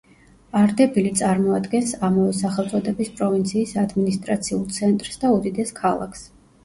არდებილი წარმოადგენს ამავე სახელწოდების პროვინციის ადმინისტრაციულ ცენტრს და უდიდეს ქალაქს.